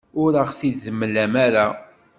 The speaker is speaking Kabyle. Ur aɣ-t-id-temlam ara.